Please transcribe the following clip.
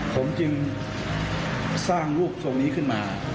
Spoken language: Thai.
ผมจึงสร้างรูปทรงนี้ขึ้นมา